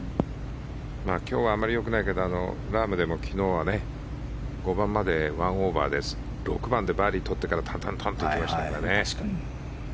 今日はあまり良くないけどラームも昨日は、５番まで１オーバーで６番でバーディーとってからトントンといきましたからね。